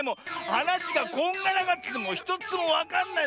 はなしがこんがらがっててひとつもわかんない。